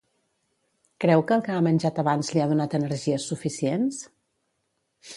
Creu que el que ha menjat abans li ha donat energies suficients?